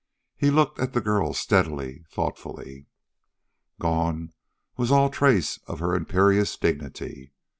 He looked at the girl steadily, thoughtfully. Gone was all trace of her imperious dignity.